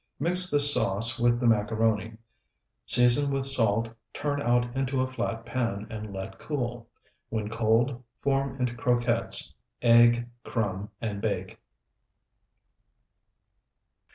Mix this sauce with the macaroni, season with salt, turn out into a flat pan, and let cool. When cold, form into croquettes, egg, crumb, and bake.